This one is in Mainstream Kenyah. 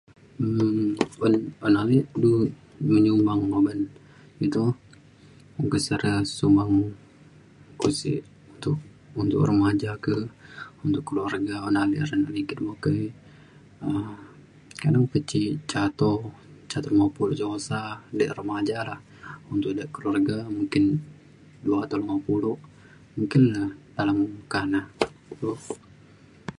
um un pan ame du menyumbang uban eto [unintelligible] secara sumbang uko sik tuk untuk remaja ke ndu keluarga un abe [unintelligible] um kado pe ji ca ato ca lema pulu jo usa bek remaja ra untuk de keluarga mungkin dua atau lema pulo na dalem ka na kulo